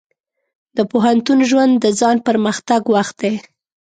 د پوهنتون ژوند د ځان پرمختګ وخت دی.